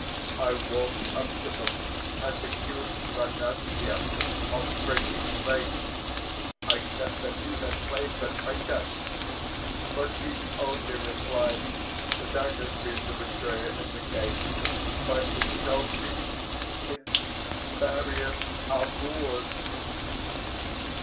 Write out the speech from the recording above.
I walked up to them and accused Rataziaev of breaking faith. I said that he had played the traitor. But he only replied that I had been the betrayer in the case, by indulging in various amours.